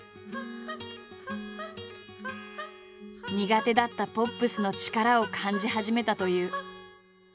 苦手だったポップスの力を感じ始めたという。